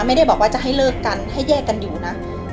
ไม่ได้บอกว่าจะให้เลิกกันให้แยกกันอยู่นะ